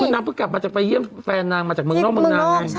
คุณน้ำเพิ่งกลับมาไปเยี่ยมแฟนน้ำมาจากเมืองนอก